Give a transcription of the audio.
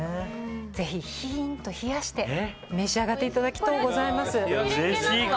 ぜひ冷やして召し上がっていただきとうございます。